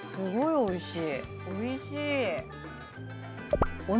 おいしい。